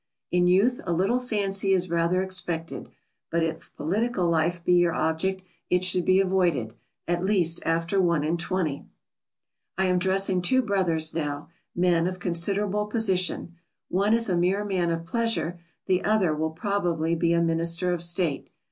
In youth a little fancy is rather expected, but if political life be your object, it should be avoided at least after one and twenty. [Sidenote: "But it often makes a successful one."] I am dressing two brothers now, men of considerable position; one is a mere man of pleasure, the other will probably be a Minister of State.